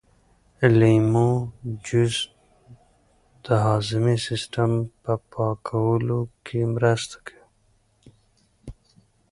د لیمو جوس د هاضمې سیسټم په پاکولو کې مرسته کوي.